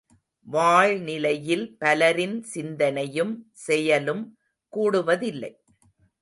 வாழ்நிலையில் பலரின் சிந்தனையும் செயலும் கூடுவதில்லை.